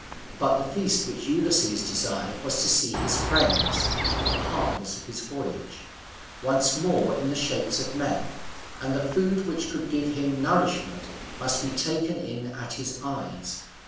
But the feast which Ulysses desired was to see his friends (the partners of his voyage) once more in the shapes of men; and the food which could give him nourishment must be taken in at his eyes.